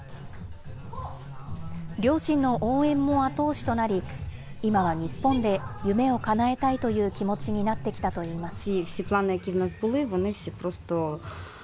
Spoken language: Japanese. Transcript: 両親の応援も後押しとなり、今は日本で夢をかなえたいという気持ちになってきたといいます。